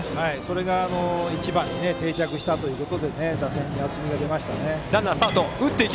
１番に定着したことで打線に厚みが出ましたね。